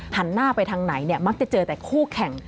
หันหน้าไปทางไหนเนี่ยมักจะเจอแต่คู่แข่ง